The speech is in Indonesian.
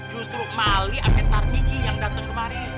justru mali amit tarmidhi yang dateng kemari